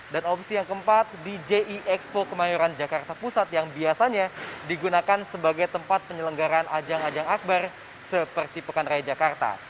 dan opsi yang keempat di jie expo kemayoran jakarta pusat yang biasanya digunakan sebagai tempat penyelenggaran ajang ajang akbar seperti pekan raya jakarta